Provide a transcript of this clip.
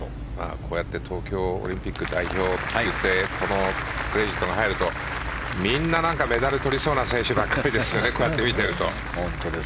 こうやって東京オリンピック代表というクレジットが入るとみんな、メダルをとりそうな選手ばっかりですよね。